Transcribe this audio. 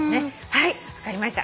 はい分かりました。